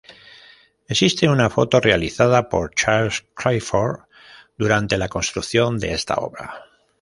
Existe una foto, realizada por Charles Clifford, durante la construcción de esta obra.